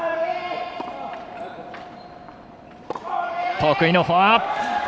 得意のフォア！